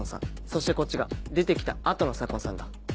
そしてこっちが出て来た後の左紺さんだ。